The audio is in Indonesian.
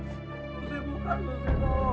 sekarang kamu pergi dari rumah aku